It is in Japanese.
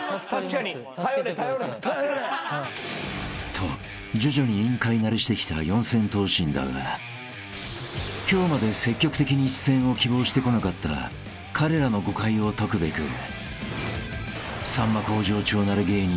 ［と徐々に『委員会』慣れしてきた四千頭身だが今日まで積極的に出演を希望してこなかった彼らの誤解を解くべくさんま］